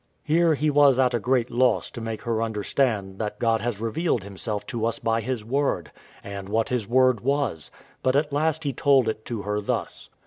[Here he was at a great loss to make her understand that God has revealed Himself to us by His word, and what His word was; but at last he told it to her thus.